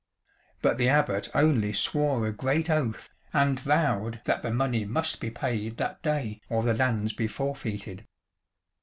But the Abbot only swore a great oath, and vowed that the money must be paid that day or the lands be forfeited.